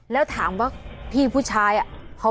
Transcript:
แล้วถามว่าพี่ผู้ชายอะ